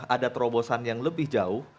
ada terobosan yang lebih jauh